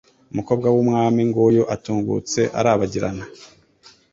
Umukobwa w’umwami nguyu atungutse arabagirana